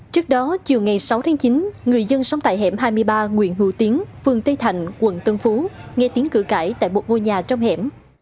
trước đó chiều ngày sáu tháng chín người dân sống tại hẻm hai mươi ba nguyễn hữu tiến phường tây thạnh quận tân phú nghe tiếng cử cãi tại một ngôi nhà trong hẻm